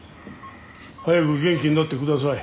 早く元気になってください。